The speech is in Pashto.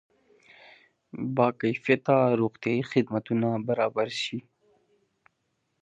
با کیفیته روغتیایي خدمتونه برابر شي.